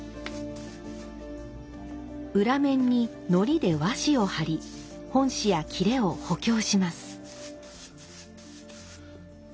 裏面に糊で和紙を貼り本紙や裂を補強します。